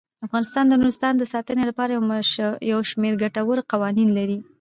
افغانستان د نورستان د ساتنې لپاره یو شمیر ګټور قوانین لري.